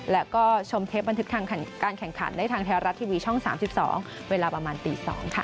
แล้วก็ชมเทปบันทึกทางการแข่งขันได้ทางไทยรัฐทีวีช่อง๓๒เวลาประมาณตี๒ค่ะ